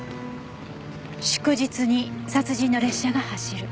「祝日に殺人の列車が走る」